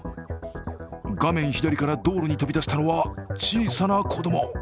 画面左から道路に飛び出したのは小さな子供。